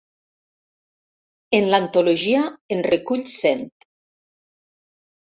En l'antologia en recull cent.